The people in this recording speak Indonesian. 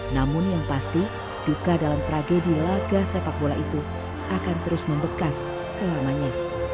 namun yang pasti duka dalam tragedi laga sepak bola itu akan terus membekas selamanya